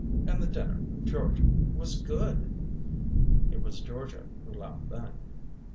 And the dinner, Georgia, was good." It was Georgia who laughed then.